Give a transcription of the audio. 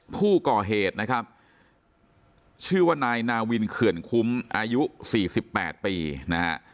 ผู้ก่อเหตุนะครับชื่อว่านายนาวินเขื่อนคุ้มอายุ๔๘ปีนะฮะ